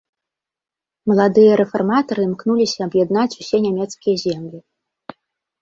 Маладыя рэфарматары імкнуліся аб'яднаць усе нямецкія землі.